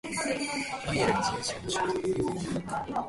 バイエルン自由州の州都はミュンヘンである